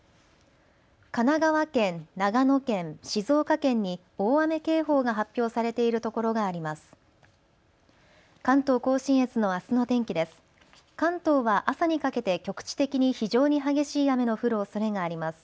神奈川県、長野県、静岡県に大雨警報が発表されている所があります。